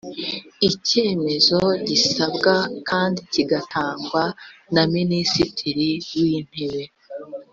icyemezo gisabwa kandi kigatangwa na minisitiri w’ intebe